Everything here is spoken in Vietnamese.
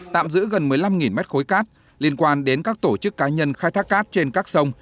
tạm giữ gần một mươi năm mét khối cát liên quan đến các tổ chức cá nhân khai thác cát trên các sông